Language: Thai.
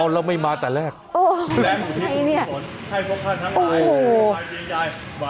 อ้อแล้วไม่มาแต่แรกเอออะไรเนี่ยโอ้โฮ